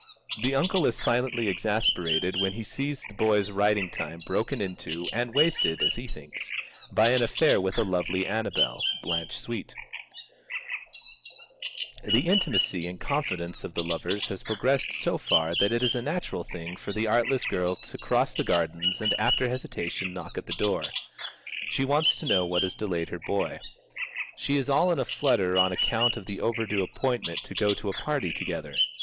The uncle is silently exasperated when he sees his boy's writing time broken into, and wasted, as he thinks, by an affair with a lovely Annabel (Blanche Sweet). The intimacy and confidence of the lovers has progressed so far that it is a natural thing for the artless girl to cross the gardens and after hesitation knock at the door. She wants to know what has delayed her boy. She is all in a flutter on account of the overdue appointment to go to a party together.